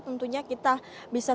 tentunya kita bisa sedihkan